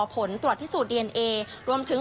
ผลตรวจที่สูตรดีเอเนเอ